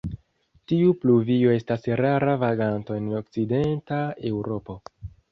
Tiu pluvio estas rara vaganto en okcidenta Eŭropo.